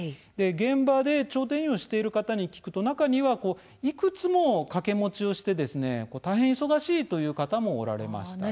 現場で調停委員をしている方に聞くと、中にはいくつも掛け持ちをして大変忙しいという方もおられました。